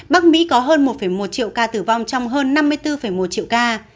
bắc mỹ có hơn một một triệu ca tử vong trong hơn năm mươi bốn một triệu ca